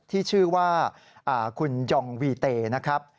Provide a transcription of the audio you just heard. ที่ชื่อว่าคุณยองวีเตนะครับ